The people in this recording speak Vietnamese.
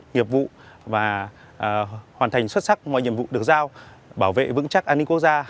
nghiệp vụ và hoàn thành xuất sắc mọi nhiệm vụ được giao bảo vệ vững chắc an ninh quốc gia